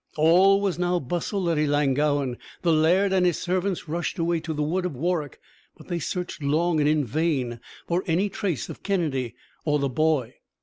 All was now bustle at Ellangowan. The laird and his servants rushed away to the wood of Warroch; but they searched long and in vain for any trace of Kennedy or the boy.